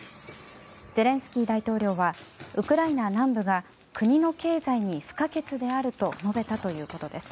ゼレンスキー大統領はウクライナ南部が国の経済に不可欠であると述べたということです。